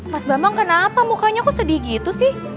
mas bambang kenapa mukanya kok sedih gitu sih